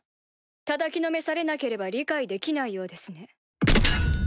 たたきのめされなければ理解できないようですね。